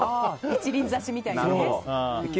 一輪挿しみたいなね。